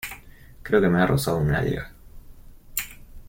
Creo que me ha rozado un alga.